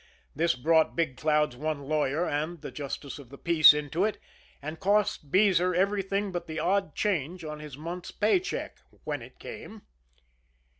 This brought Big Cloud's one lawyer and the Justice of the Peace into it, and cost Beezer everything but the odd change on his month's pay check when it came.